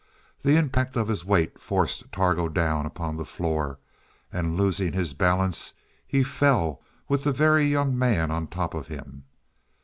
The impact of his weight forced Targo down upon the floor, and losing his balance he fell, with the Very Young Man on top of him.